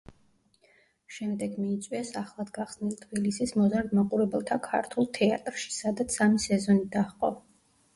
შემდეგ მიიწვიეს ახლად გახსნილ თბილისის მოზარდ მაყურებელთა ქართულ თეატრში, სადაც სამი სეზონი დაჰყო.